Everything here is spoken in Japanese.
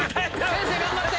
先生頑張って！